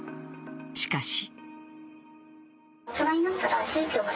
しかし。